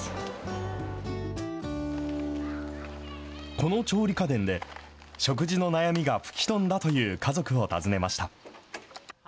この調理家電で、食事の悩みが吹き飛んだという家族を訪ねました。